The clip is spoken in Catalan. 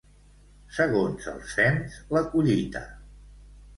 Segons els fems, la collita.